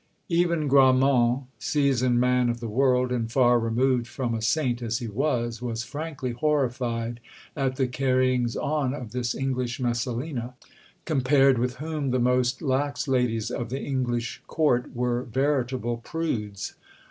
Even Gramont, seasoned man of the world and far removed from a saint as he was, was frankly horrified at the carryings on of this English Messalina, compared with whom the most lax ladies of the English Court were veritable prudes.